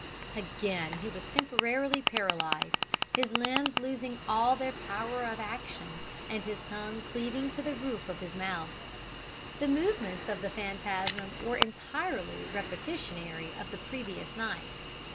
"Again he was temporarily paralysed, his limbs losing all their power of action and his tongue cleaving to the roof of his mouth. "The movements of the phantasm were entirely repetitionary of the previous night.